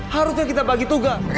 harusnya kita bagi tugas